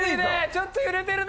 ちょっと揺れてるねえ！